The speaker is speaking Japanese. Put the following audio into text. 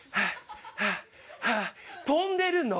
飛んでるの？